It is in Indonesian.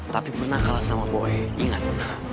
tapi pernah kalah sama boeing ingat